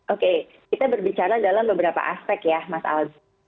oke kita berbicara dalam beberapa aspek ya mas aldi